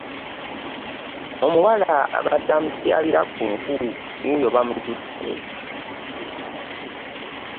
Omuwala abadde amutyabira ku nku wuuyo bamututte.